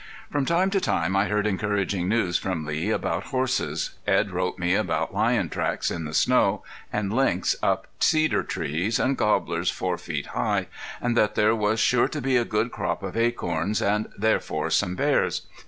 From time to time I heard encouraging news from Lee about horses. Edd wrote me about lion tracks in the snow, and lynx up cedar trees, and gobblers four feet high, and that there was sure to be a good crop of acorns, and therefore some bears.